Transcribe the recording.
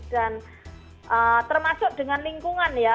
dan termasuk dengan lingkungan ya